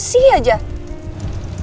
aku pikir kebahagianku sudah datang